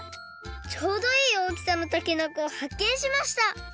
ちょうどいい大きさのたけのこをはっけんしました！